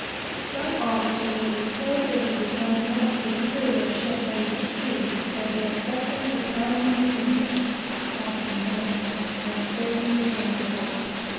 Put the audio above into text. Some officers have been so driven to find work for the crew in a ship ready for sea, that they have set them to pounding the anchors (often done) and scraping the chain cables.